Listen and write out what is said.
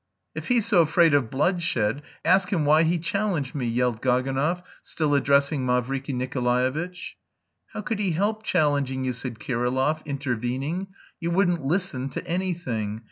"If he's so afraid of bloodshed, ask him why he challenged me," yelled Gaganov, still addressing Mavriky Nikolaevitch. "How could he help challenging you?" said Kirillov, intervening. "You wouldn't listen to anything.